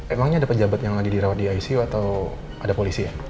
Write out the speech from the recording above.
emangnya ada pejabat yang lagi dirawat di icu atau ada polisi ya